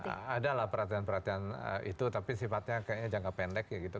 ada lah perhatian perhatian itu tapi sifatnya kayaknya jangka pendek ya gitu